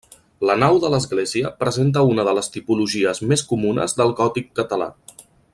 La nau de l'església presenta una de les tipologies més comunes del gòtic català.